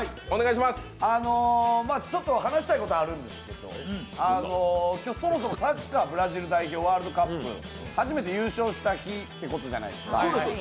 ちょっと話したいことあるんですけど、そもそもサッカーブラジル代表ワールドカップ初めて優勝した日ということじゃないですか。